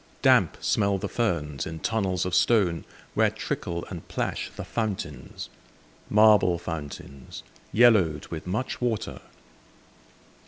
Damp smell the ferns in tunnels of stone, Where trickle and plash the fountains, Marble fountains, yellowed with much water.